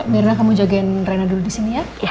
biarin kamu jagain reyna dulu di sini ya